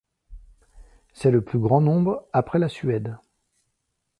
C'est le plus grand nombre après la Suède.